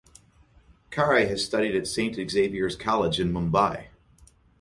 Kare has studied at St Xaviers College in Mumbai.